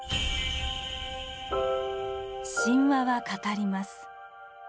神話は語ります。